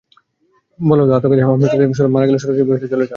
বলা হতো, আত্মঘাতী হামলা চালিয়ে মারা গেলে সরাসরি বেহেশতে চলে যাওয়া যাবে।